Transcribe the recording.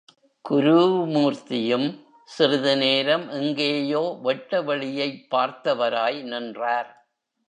குரூமூர்த்தியும் சிறிது நேரம் எங்கேயோ வெட்டவெளியைப் பார்த்தவராய் நின்றார்.